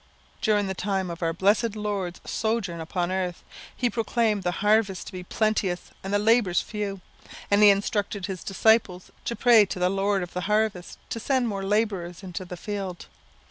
During the time of our blessed Lord's sojourn upon earth, he proclaimed the harvest to be plenteous and the labourers few; and he instructed his disciples to pray to the Lord of the harvest to send more labourers into the field.